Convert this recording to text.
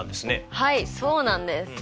はいそうなんです。